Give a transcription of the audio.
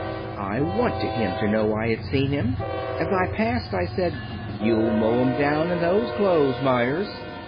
I wanted him to know I had seen him. As I passed, I said, 'You'll mow 'em down in those clothes, Meyers.'"